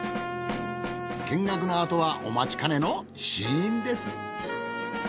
見学のあとはお待ちかねの試飲です。